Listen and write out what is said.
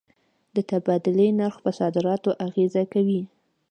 د تبادلې نرخ پر صادراتو اغېزه کوي.